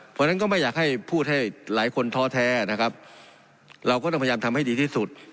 เพราะฉะนั้นก็ไม่อยากให้พูดให้หลายคนท้อแท้นะครับเราก็ต้องพยายามทำให้ดีที่สุด